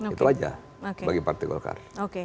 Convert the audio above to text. itu aja bagi partai golkar